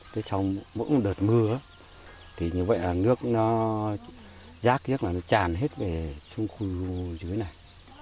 đợt mưa thì như vậy là nước nó rác nhất là nó tràn hết về xuống khu dưới này